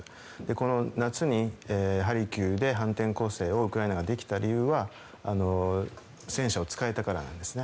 この夏にハルキウで反転攻勢をウクライナができた理由は戦車を使えたからなんです。